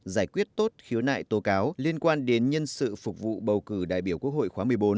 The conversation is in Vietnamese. giải quyết tốt khiếu nại tố cáo liên quan đến nhân sự phục vụ bầu cử đại biểu quốc hội khóa một mươi bốn